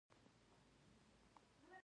نیک عمل د ژوند رڼا ده.